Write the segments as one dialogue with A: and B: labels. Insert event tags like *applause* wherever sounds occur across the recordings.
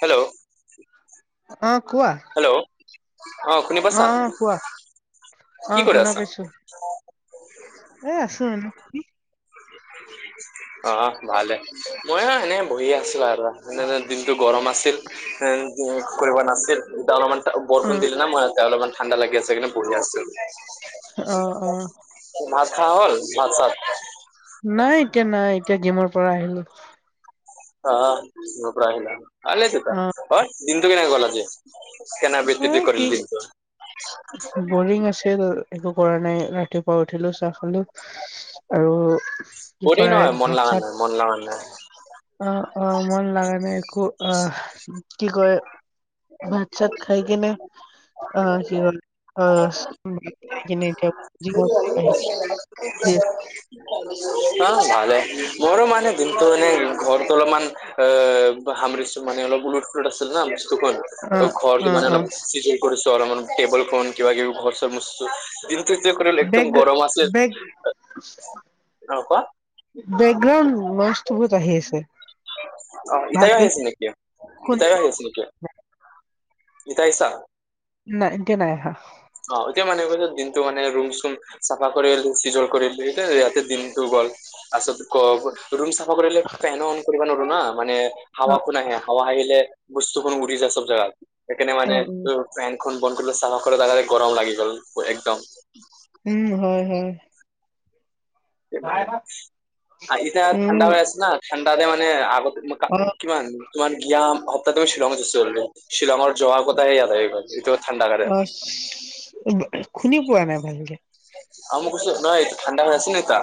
A: Hello
B: অ কোৱা
A: hello অ শুনি পাছা
B: অ কোৱা অ
A: কি কৰি
B: শুনা
A: আছা
B: পাইছো এ আছো এনে তুমি
A: অ ভালে মই অ এনে বহি আছো আৰু নে এনে দিনটো গৰম আছিল উ উ *unintelligible* কৰিব নাছিল এয়া অলপমান বৰষণ দিল ন মই অলপমান ঠাণ্ডা লাগি আছেইকাৰে বঢিয় *unintelligible* আছিল
B: অ অ অ
A: ভাত খা হ'ল ভাত চাত
B: নাই এতিয়া নাই এতিয়া গিমৰ পৰা আহিলো
A: অ জিমৰ পৰা আহিলা আলে চিপা অ দিনটো কেনেকে গল আজি কেনে
B: উম
A: বিততি
B: কি
A: কৰিল দিনটো
B: বৰিং আছিল একো কৰা নাই ৰাতিপুৱা উঠিলো চাহ খালো আৰু কি
A: বৰিং
B: কয়
A: নহয় মন
B: ভাত
A: লগা
B: চাত
A: নাই মন লগা নাই
B: অ অ মন লাগা নাই একো অহ কি কয় চাত খাই কিনে অ কি হল অ কিনে
A: *inaudible* অ
B: এতিয়া জিমৰ পৰা আহি কিনে
A: *inaudible* ভালে মোৰো মানে দিনটো এনে ঘৰট অলপমান এ হাম মে অলপ *unintelligible* গলুট ফ্ুলট *unintelligible* আছিল ন বস্তুখন
B: অ
A: ত ঘৰটো
B: অ
A: মে
B: অ
A: অলপ কৰিছো আৰু েবুল *unintelligible* ক কিবা কিবি ঘৰ চবো কৰিলে একদম
B: বেগ
A: গৰম আছে
B: বেগ
A: অ কোৱা
B: বেকগ্ৰাউড মাছতো বহুত আহি আছে
A: অ ইতাৰ
B: ভালকে
A: সেইছ *unintelligible* নেকে
B: শুনি
A: ইতাৰ সেইছ *unintelligible* নেকে ইটা আহিছা
B: নাই এতিয়া নাই অহা
A: অ এতিয়া মানে কৈছে দিনটো মানে ৰুম চুম চাফা কৰিল চিজল কৰিল দুইটাই ইয়াতে দিনটো গল আচল ক ৰুম চাফ ন্ধ কৰিলে ফেন অন কৰিব নোৱাৰো না মানে
B: অ',
A: হাৱাকো নাহে হাৱা আহিলে বস্তুখন উৰি যায় সব জাগাত এখে মান
B: অ', অ',
A: ফেনখন বন্ধ কৰি চাফা কৰে তে গৰম লাগি গ'ল একদম
B: উম হয় হয়
A: ইমানে আহিছা ঠাণ্ডা
B: উম,
A: হৈ আছে ন ঠাণ্ডা তে মানে আগত ম
B: অ',
A: কিমান তোমাৰ গিয় *unintelligible* সপ্তাহ তুমি শ্বিলঙত যে চলিব শ্বিলঙৰ জহাৰ কথাাই আায় এইটো ঠাণ্ডা গাৰে
B: খুনি পোৱা নাই ভালকে
A: আম কৈছো নহয় ঠাণ্ডা হৈ আছে নাই কা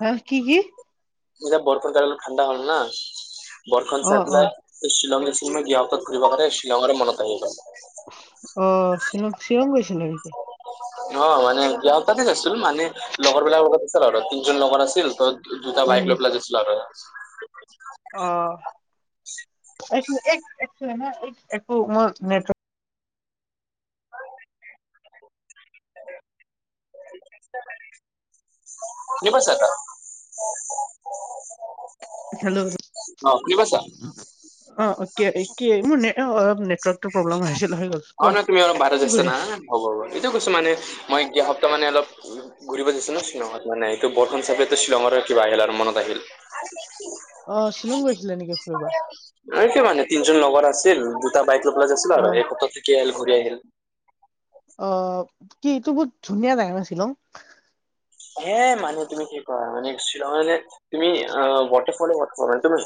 B: হেহ কি কি?
A: এতিয়া বৰষন জাক অলপ ঠাণ্ডা হ'ল না, বৰষণ
B: অ',
A: চাই
B: অ',
A: ফেলাই শ্বিলঙৰ চিনেমা গিয়কত ঘুৰিব কাৰণে, শিলঙলে মনত আহি গ'ল।
B: অ', শ্বিল, শ্বিলং গৈছিলে?
A: অ', মানে যোৱা সপ্তাহতে গৈছিল মানে, লগৰ বিলাকৰ লগত আছিল আৰু, তিনজন লগৰ আছিল। ত' দুতা
B: উম,
A: বাইক লৈ পেলাই গৈছিলো আৰু।
B: অ'। এক মি এক এক ছেকেণ্ড হা, এক একো মই নেট'
A: চিনি পাইছা তাক?
B: হেল্ল'!
A: অ', কি কৈছা?
B: অ', কে কি মোৰ নে অলপ নে নেটৱৰ্ক।
A: অ', ন তুমি অলপ বাইৰে
B: কি
A: জাইচ‌
B: কৰি
A: না?
B: আছা?
A: হ'ব হ'ব। এইটো কৈছো মানে, মই যোৱা সপ্তাহ মানে অলপ ঘূৰিব যাইছো ন শ্বিলঙত। মানে ত' বৰষন চাই *unintelligible* শ্বিলঙৰ কিবা আহিল আৰু মনত আহিল।
B: অ', শ্বিলং গৈছিলে নেকি ফুৰিবা?
A: আইছে মানে, তিনজন লগৰ আছিল দুটা বাইক লৈ পেলাই গেছলো আৰু,
B: অ',
A: এক সপ্তাহ থাকি আহিল ঘূৰি আহিল।
B: অ', কি ইটো বহুত ধুনীয়া জাগা ন শ্বিলঙ?
A: হে, মানু তুমি কি কোৱা? মানে শ্বিলঙলে তুমি আ, ৱাটাৰ ফলে ৱাটাৰ ফল। তুমি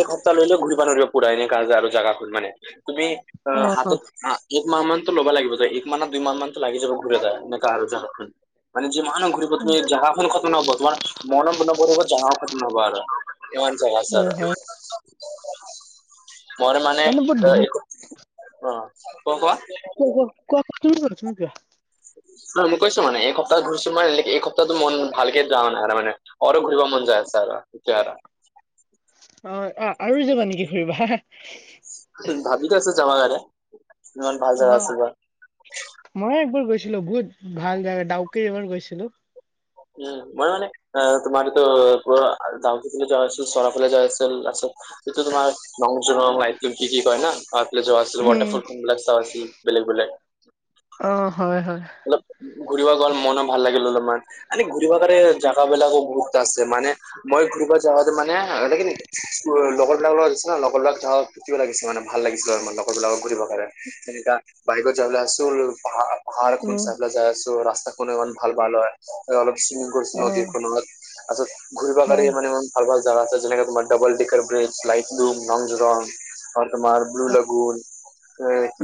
A: এক সপ্তাহ লৈ লৈ ঘূৰিবা নৰিবা পুৰা এনেকা আৰু জাগা খন মানে। তুমি, অ', হাতত আ একমাহ মানতো ল'বা লাগিব দে। এক মাহ দুই মাহ মানতো লাগি যাব ঘূৰোতে এনেকা আৰু জাগাখন। মানে, যিমানো ঘূৰিব
B: অ',
A: তুমি জাগা খন খতম নহ'ব। তোমাৰ মন নভৰিব জাগাও খতম নহ'ব আৰু কেমান জাগা আছে
B: হয়,
A: আৰ'।
B: হয়।
A: মৰ মানে এক অ', ত', কোৱা।
B: *unintelligible* কোৱা কোৱা, কি হ'ল, তুমি কোৱা।
A: মই কৈছো মানে। এক সপ্তাহ ঘূৰছো মানে এক সপ্তাহটো মন ভালকে ধাৰা নাই তামানে। অৰ ঘূৰিব মন যায় আছে আৰ', জাগা টা।
B: অ', অ', আৰু যাবা নেকি ফুৰিবা?
A: ভাবিটো আছো যাৱা আগে। ইমান ভাল
B: অ
A: জেগা আছে বা
B: মই একবাৰ গৈছিলো। বহুত ভাল জাগা, ডাউকী এবাৰ গৈছিলো।
A: উম, মই মানে তোমাৰ ত', গোৱা যাওঁতে তুমি যায় আছিল, চৰাফলে যায় আছিল লাষ্টত তেতিয়া তোমাৰ নংযুনৰ লাইটিং কি কি কৰে না, তাৰ পিছত
B: উম
A: ৱাটাৰফল ফোনবিলাক তাৰচি, বেলেগ, বেলেগ।
B: অ', হয়, হয়।
A: অলপ ঘূৰিব গ'ল, মনো ভাল লাগিল অলপমান। এনে ঘূৰিব কাৰে জাগা বিলাকো বহুত আছে, মানে মই ঘূৰিব যাৱতে মানে লেকিন লগৰবিলাক লগত', লগৰলাক ধক ফুৰ্তিও লাগিছিল মানে ভাল লাগিছিল। লগৰবিলাকক ঘূৰিব পাৰে, তেনেকা বাইকত যাবলে আছো *unintelligible* পাহাৰখন
B: উম
A: চাইফালে যায় আছো। ৰাস্তাখন ইমান ভাল, ভাল হয়। অলপ চুইমিং কৰছি
B: অ
A: নদীখনত। আচত, ঘূৰিব পাৰি
B: হয়
A: ইমান ইমান। ভাল ভাল জাগা আছে, যেনেকে তোমাৰ ডাবল ডিকাৰ ব্ৰিজ, লাইটুম, নজ ৰং। আৰু তোমাৰ ব্লু
B: অ
A: লাগোন,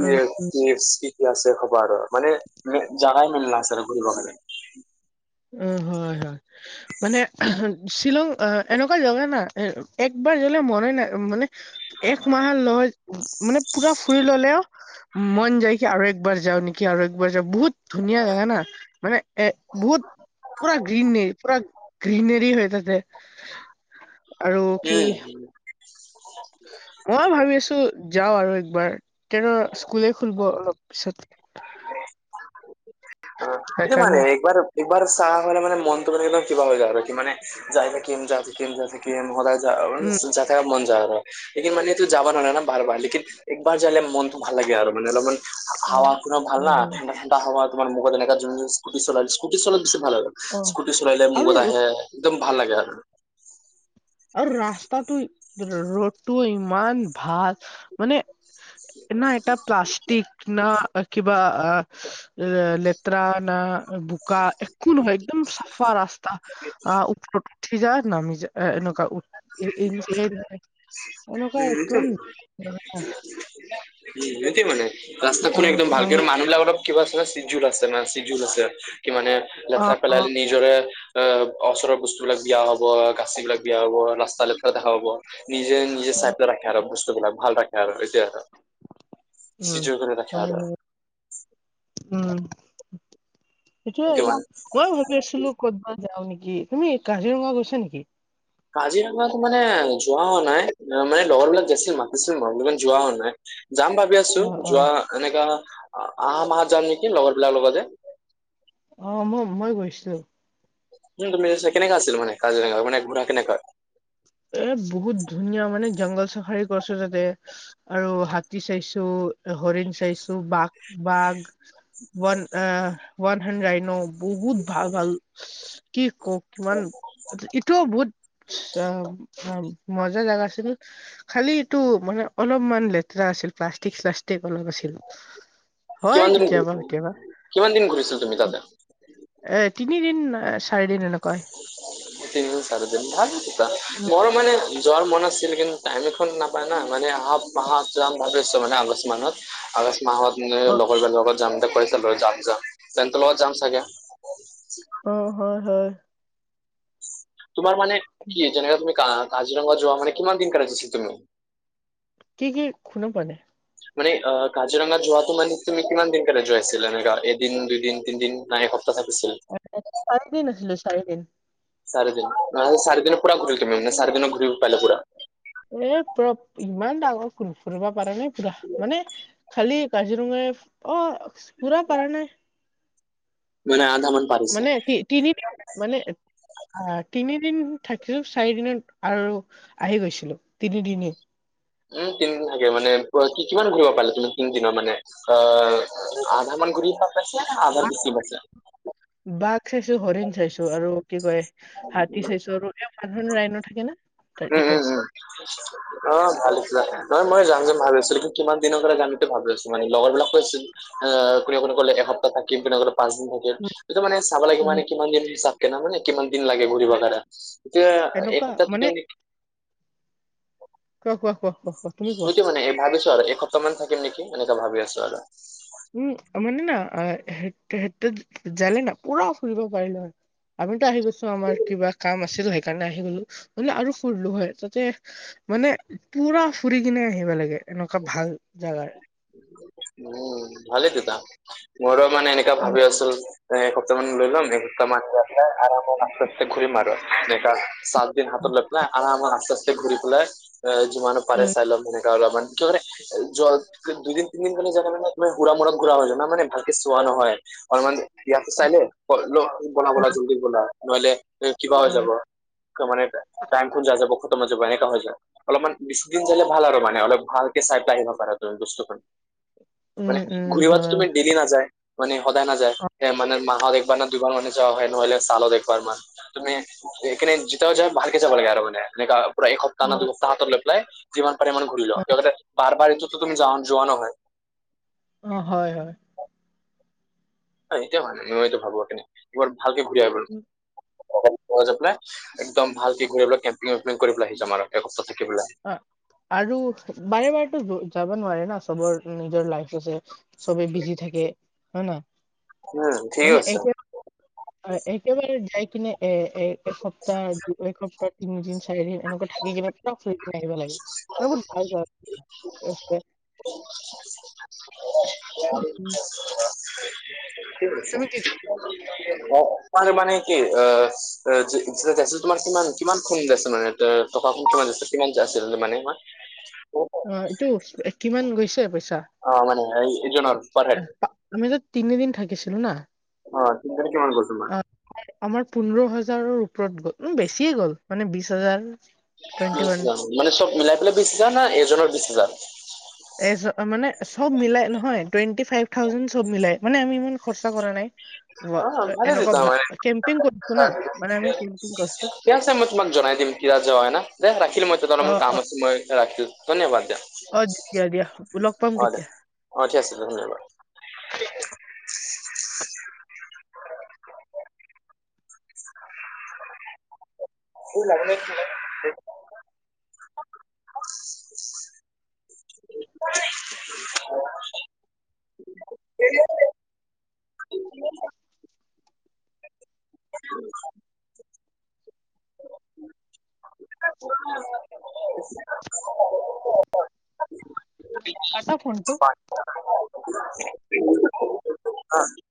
B: উম উম।
A: আছে খবা আৰু মানে তুমি জাগাই মিল নাছে, আৰু ঘূৰিব কাৰণে।
B: উ, হয়, হয়। মানে শ্বিলং অ', এনেকুৱা জগা না', একবাৰ গ'লে মনে নাই মানে এক মাহ লয়, মানে পুৰা ফুৰি ল'লেও মন যায় কি আৰু একবাৰ যাওঁ নেকি আৰু একবাৰ যাওঁ। বহুত ধুনীয়া জাগা না। মানে এ বহুত পোৰা গ্ৰীণ নে। পোৰা। গ্ৰীনেৰী হৈ তাতে।
A: উম।
B: মই ভাবি আছো যাওঁ আৰু একবাৰ। এতিয়ানো স্কুলে খোলব অলপ পিছত।
A: অ'। এইটো ‌ভাল
B: সেইকাৰণে
A: এনেকুৱাতো। একবাৰ চা হ'লে মানে মনটো মানে একদম কিবা হৈ যায়', কি মানে যায় থাকিম। যায় থাকিম। যায় থাকিম। সদায়। যা অৰ
B: উম
A: যাতাযত মন জানো। লেকিন মানেতো যাব নোৱাৰা ন বাৰ, বাৰ। লেকিন একবাৰ যালে মনতটো ভাল লাগে আৰু মানে অলপমান।
B: অ
A: হাৱা পোৰা ভাল
B: হয়
A: না
B: হয়
A: ঠাণ্ডা, ঠাণ্ডা হাৱা তোমাৰ মুখত এনেকা যোন-যোন স্কুটি চলাই, স্কুটি চলালে বেছি ভাল আৰু।
B: অ
A: ইস্কুটি চলাই দিলে
B: আৰু
A: মুখত আহে একদম ভাল লাগে আৰু।
B: আৰু ৰাস্তাটো ৰ'ডটো ইমান ভাল মানে। না এটা প্লাষ্টিক না কিবা অ লে লেতেৰা না বোকা একো নহয় একদম চাফা ৰাস্তা। অ', ওপৰত উঠি যায় নামি যায়, এনেকুৱা। এ এ এনেকুৱা একদম
A: উম
B: ধুনীয়া।
A: উম, সেইটোৱে মানে ৰাস্তা
B: অ
A: খন একদম
B: অ
A: ভালকে আৰু মানুহবিলাক অলপ। কিবা আছে চিজুৰ আছে মানে চিজুৰ আছে কি মানে
B: অ
A: লেতেৰা
B: অ
A: পেলালি। নিজৰে অ' ওচৰৰ বস্তু বিলাক দিয়া হব গাচি বিলাক দিয়া হ'ব ৰাস্তা লেপেল দেখা পাব। নিজে নিজে
B: অ
A: চাডে ৰাখে আৰু বস্তুবিলাক ভাল ৰাখে আৰু এটোৱে আৰু।
B: উম, হয় নেকি উম। সেইটোৱে
A: সেইটো
B: আৰু
A: মানে
B: মই ভাবি আছিলো ক'তবা যাওঁ নেকি, তুমি কাজিৰঙা গৈছা নেকি?
A: কাজিৰঙাত মানে যোৱা হোৱা নাই মানে লগৰ বিলাক গৈছিল মাতিছিল মানে যোৱা হোৱা নাই। যাম ভাবি
B: অ
A: আছো
B: অ
A: যোৱা এনেকা আহা মাহত যাম নেকি লগৰ বিলাক লগতে।
B: অ', মই, মই গৈছো।
A: উম, তুমি কেনেকা আছিল মানে কাজিৰঙা মানে ঘোঁৰা কেনেকা?
B: এ, বহুত ধুনীয়া মানে জংঘল চাফাৰী কৰিছোঁ তাতে। আৰু হাতী চাইছো, হৰিণ চাইছোঁ বাঘ, বাঘ। ৱান অহ' ৱান হেন্দৰাইনো বহুত ভাল-ভাল কি কও কিমান এইটোও বহুত। অ', অ' মজা জেগা আছিলে। খালি এইটো মানে অলপমান লেতেৰা আছিল প্লাষ্টিক চাষ্টিক অলপ আছিল। হয়
A: কিমান দিন
B: কেতিয়াবা কেতিয়াবা।
A: কিমান দিন ঘূৰিছা তুমি তাতে?
B: এ, তিনি দিন, চাৰি দিন এনেকৈ।
A: তিনি, চাৰি দিন ভাল কিবা মোৰো মানে। যোৱাৰ মন আছিল কিন্তু টাইম এখন নাপায় ন মানে আহা-আহা যাম ভবিছো মানে আগষ্ট মানত। আগষ্ট মাহত মানে
B: অ
A: লগৰজনৰ লগত যাম যে কৈ আছিলে যাম- যাম সিহঁতৰ লগত যাম চাগে।
B: অ', হয়, হয়।
A: তোমাৰ মান কি যেনেকে তুমি কাজিৰঙা যোৱা মানে কিমান দিন কৰণে আছিল তুমি
B: কি কি শুনি পোৱা নাই?
A: মানে অ' কাজিৰঙা যোৱাতো মানে তুমি কিমান দিন কাৰণে যোৱাইছিলা এনেকুৱা এদিন, দুইদিন, তিনদিন। নাই এক সপ্তাহ থাকিছিল।
B: চাৰি দিন আছিলো চাৰি দিন।
A: চাৰিদিন, মানে চাৰিদিনত পুৰা ঘৰিল তুমি মানে চাৰিদিন ঘূৰিব পাৰিলা পুৰা?
B: এ, পুৰা ইমান ডাঙৰ ফোৰিব পাৰা নাই পুৰা মানে খালি কাজিৰংগায়ে অ' পুৰা নাই।
A: মানে আধা মান। পাৰিছে।
B: মানে তি তিনি মানে। অ'তিনিদিন থাকছিলো চাৰি দিনত আৰু আহি গৈছিলো তিনিদিনে।
A: উম, তিনি দিন থাকে মানে পুৰা কিমান ঘুৰিব পালা তুমি তিনদিনৰ মানে অ'। আধা মান ঘুৰি পছে নে আধাৰ বেচি পাইছা।
B: বাঘ চাইছো, হৰিণ চাইছো আৰু কি কয় হাতী চাইছো আৰু। ইয়াত ওৱান হৰ্ণ ৰাইন' থাকে নে?
A: উম-উম-উম। অ ভাল লাগে, অ মই যাম যে ভাল হৈছে লেকিন কিমান দিনৰ লে গাণটো ভাল হৈছে মানে লগৰ বিলাক কৈছিল। অ কোনে-কোনে কলে এসপ্তাহ থাকিম, কোনে কোনে পাঁচ দিন থাকি।
B: উম
A: এইটো মানে চাব লাগিব
B: উম
A: নে' কিমান দিন চা কেনা কিমান দিন লাগি। ঘূৰিব কাৰা এতিয়া
B: এনেকুৱা
A: এসপ্তটা
B: মানে
A: থাকিম নে কি?
B: হোৱা-হোৱা-হোৱা-হোৱা-হো
A: কৈছোঁ মানে এই ভাবিছো আৰু এসপ্তাহমান থাকম নেকি এনেকা ভাবি আছো আৰু।
B: উম, মানে না সেই জালে না পুৰা ফুৰিব পাৰিলো আৰু। আমিতো আহি গৈছো আমাৰ কিবা কাম আছিল সেইকাৰণে আহি গলো নলে আৰু ফুুৰিলো হয় তাতে মানে পুৰা ফুৰি কেনে আহিব লাগে এনেকুৱা ভাল জেগাৰ।
A: উম, ভালেই দেতা মোৰো মানে এনেকা
B: উম,
A: ভাবি আছো। এসপ্তাহ মান লৈ লম এসপ্তাহ মান লৈপেলাই আৰামত আস্তে-আস্তে ঘূৰিম আৰু। এনেকা সাত দিন হাতত লৈপেলাই আৰামত আস্তে-আস্তে ঘূৰি পেলাই এ যিমানো পাৰে
B: উম,
A: চাইলক তেনেকা অলপ মান কিয় কাৰণে জল দুইদিন তিনদিন কাৰানে জানে মানে সুৰা মুৰা ঘূৰা হৈ যাই, মানে ভালকে চোৱা নহয়। অলমান ইয়াতো চাইনে, বলা-বলা-বলা
B: অ'।
A: জল্দি বলা নহলে কিবা হৈ
B: হয়,
A: যাব। কমৰে এটা টাইমটো যা-যাব ক'ত মা যাব এনেকা হৈ যায়। অলপমান বিছদিন ঘূৰিলে ভাল আৰু মানে অলপ ভালকে চাই পালাই আহিব পাৰা তুমি বস্তুখন।
B: উম,
A: মানে
B: উম,
A: ঘূৰিবতো
B: হয়।
A: তুমি ডেইলি নাযায় মানে সদায় নাযায় মানে মাহত একবাৰ ন'। দুবাৰ মানে যা হয় নহলে চালত এক বাৰ মান তুমি এইকাৰনে জতাও যায় ভালকে যাব লাগে আৰু মানে এনেকা পুৰা একসপ্তাহ না
B: অ'।
A: দুসপ্তাহ হাতত লৈ পেলাই যিমান পাৰে ইমান ঘূৰি লও কিয় কাৰে বাৰ-বাৰ এইটো টো তুমি যাবন-যোৱা নহয়।
B: অ'হয়-হয়।
A: মই এতিয়া ভা উম এইটো ভাবো দে, গৈয় ভালকে ঘূৰি আহিব ল। একদম ভালক ঘূৰিবলে কেম্পিং ৱেম্পিং কৰি পেলাই আহি যাম আৰু একস্ত থাকি পেলাই
B: অ আৰু বাৰে-বাৰে টো য-যাব নোৱাৰে না চবৰ নিজৰ লাইফ আছে। চবেই বিজি থাকে
A: উম
B: হয়-নহয়
A: ঠিক
B: মানে
A: আছে
B: এতিয়া অ একেবাৰে যাই কিনে এ-এ এসপ্তাহ দিপেলাই পোৰা তিনিদিন চাৰিদিন এনেকুৱা থাকি কিনে ন' চুই কিনে আহিব লাগে আৰু বহুত ভাল হৈয় এচপেক্ট
A: *unintelligible*
B: উম-উম।
A: কি কৈছে?
B: কি
A: অ তোমাৰ মানে কি যাচিছ তোমাৰ কিমান-কিমান খু নিত আছে মানে? এ টকা খিনি কিমান দিছে কিমান যে আছিল মানে তোমাৰ? *unintelligible*
B: অ এইটো কিমান গৈছে পইচা?
A: মানে এই এজনৰ পাৰ হেড
B: আমিটো তিনিদিন থাকিছিলো না।
A: অ তিনি তাৰিখে কিমান গল
B: অ
A: তোমাৰ?
B: আমাৰ পোন্ধৰ হাজাৰৰ ওপৰত গ'ল উম বেছিয়ে গ'ল মানে বিশ হাজাৰ। টুৱেণ্টি ওৱান
A: মানে চব মিলাই পেলাই বিশ হেজাৰ না এজনৰ বিশ হেজাৰ?
B: এ চব মানে চব মিলাই নহয় টুৱেণ্টি ফাইভ থাউজেণ্ড চব মিলাই মানে আমি ইমান খৰচা কৰা নাই
A: অ ভালে
B: এনেকুৱা
A: তেতিয়া
B: ভা
A: মানে
B: কেম্পিং কৰিছো না মানে আমি কেম্পিং কৰিছো।
A: ঠিক আছে মই তোমাক জনাই দিম, কি আযে হৈ না দে ৰাখিলো মই তে অলপ
B: অ
A: মান কাম
B: অ
A: আছে মই ৰাখিলোঁ ধন্যবাদ দিয়া।
B: অ', দিয়া দিয়া লগ পাম
A: অ দে
B: কেতিয়া?
A: অ ঠিক আছে ধন্যবাদ। হুৰ লাগিলে
B: *inaudible*
A: *unintelligible*
B: *inaudible*
A: *unintelligible*
B: কাটা ফোনটো
A: *unintelligible* আ